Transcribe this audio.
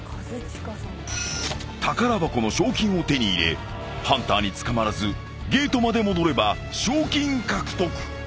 ［宝箱の賞金を手に入れハンターに捕まらずゲートまで戻れば賞金獲得］